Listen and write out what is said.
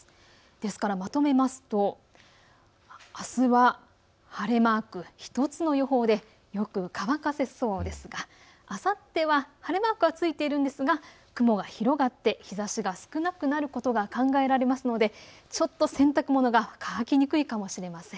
ですからまとめますとあすは晴れマーク、１つの予報でよく乾かせそうですがあさっては晴れマークついているんですが雲が広がって日ざしが少なくなることが考えられますので洗濯物が乾きにくいかもしれません。